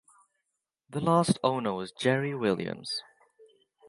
The last owner was Jerry Williams.